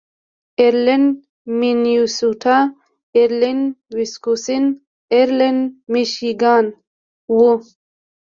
ایرلنډ مینیسوټا، ایرلنډ ویسکوسین، ایرلنډ میشیګان و.